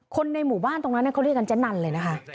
คนในหมู่บ้านตรงนั้นเขาเรียกกันเจ๊นันเลยนะคะ